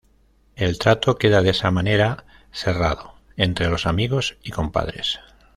El trato queda de esa manera "cerrado" entre los amigos y compadres.